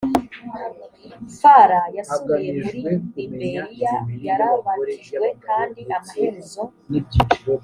falla yasubiye muri liberiya yarabatijwe kandi amaherezo